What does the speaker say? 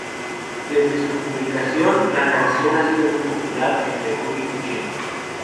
Desde su publicación, la canción ha sido muy popular entre el público chino.